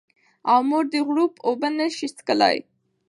او مور دې غوړپ اوبه نه شي څښلی